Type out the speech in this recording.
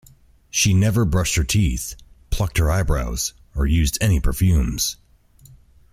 She never brushed her teeth, plucked her eyebrows, or used any perfumes.